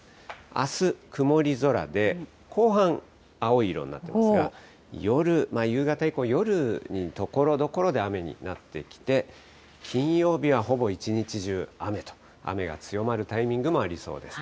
あす、曇り空で、後半、青い色になってますが、夜、夕方以降、夜にところどころで雨になってきて、金曜日はほぼ一日中雨と、雨が強まるタイミングもありそうです。